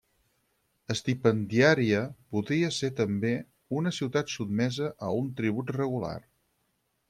Estipendiària podia ser també una ciutat sotmesa a un tribut regular.